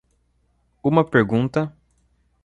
Uma pergunta.